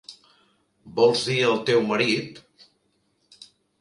Vols dir el teu marit?